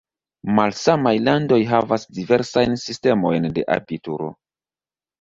Malsamaj landoj havas diversajn sistemojn de abituro.